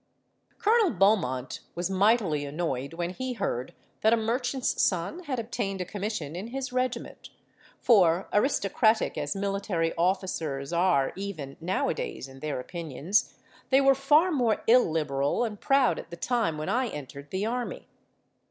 "Colonel Beaumont was mightily annoyed when he heard that a merchant's son had obtained a commission in his regiment; for, aristocratic as military officers are even now a days in their opinions, they were far more illiberal and proud at the time when I entered the army.